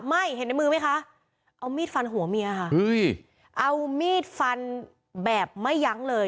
ไม่เห็นในมือไหมคะเอามีดฟันหัวเมียค่ะเอามีดฟันแบบไม่ยั้งเลย